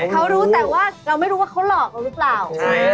เขารู้แต่ว่าเราไม่รู้ว่าเขาหลอกเราหรือเปล่า